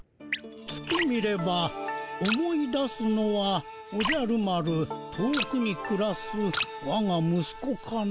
「月見れば思い出すのはおじゃる丸遠くにくらすわが息子かな」。